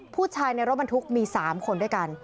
ผู้ชายในรถบรรทุกมี๓คนด้วยกัน